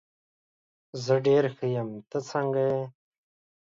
زه ډېر ښه یم، ته څنګه یې؟